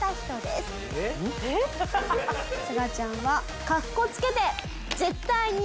すがちゃんは。